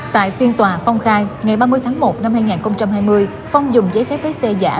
tại phiên tòa phong khai ngày ba mươi tháng một năm hai nghìn hai mươi phong dùng giấy phép lái xe giả